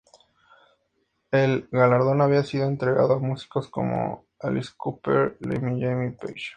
El galardón había sido entregado a músicos como Alice Cooper, Lemmy y Jimmy Page.